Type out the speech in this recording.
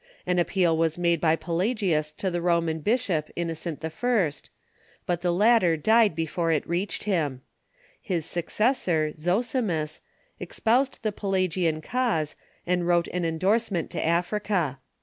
An appeal was made by Pelagius to the Roman bisliop. Innocent I., but the latter died before it reached him. His successor, Zosimus, espoused the Pelagian cause, and wrote an endorsement to Africa.